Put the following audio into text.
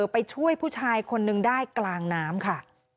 ไปช่วยผู้ชายคนนึงได้กลางน้ำค่ะ